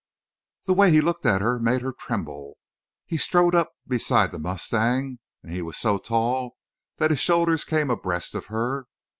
The way he looked at her made her tremble. He strode up beside the mustang, and he was so tall that his shoulder came abreast of her.